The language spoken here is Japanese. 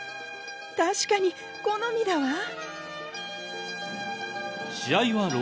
確かに好みだわ！の場面。